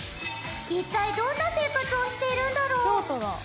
一体どんな生活をしているんだろう？